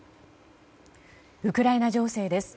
ウクライナ情勢です。